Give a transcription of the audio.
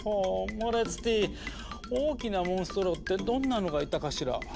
モレツティ大きなモンストロってどんなのがいたかしら？